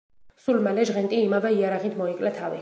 სულ მალე ჟღენტი იმავე იარაღით მოიკლა თავი.